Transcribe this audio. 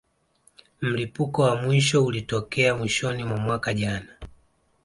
Mlipuko wa mwisho ulitokea mwishoni mwa mwaka jana